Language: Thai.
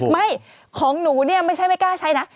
ไม่ของหนูเนี่ยไม่ใช่ไม่กล้าใช้นะ